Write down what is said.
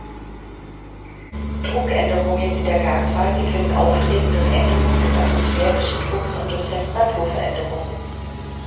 Druckänderungen in der Gasphase können auftreten durch Änderung des atmosphärischen Drucks und durch Temperaturveränderungen.